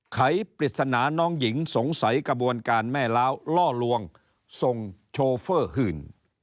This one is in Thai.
ไขปริศนาน้องหญิงสงสัยกระบวนการแม่ล้าวล่อลวงส่งโชเฟอร์หื่น